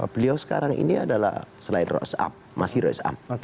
beliau sekarang ini adalah selain rois am